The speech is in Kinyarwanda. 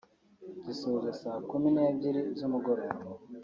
gisoza saa kumi n’ebyiri z’umugoroba